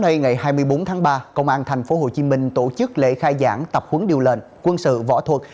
đợt này công an tp hcm tổ chức ba lớp tập huấn điều lệnh quân sự võ thuật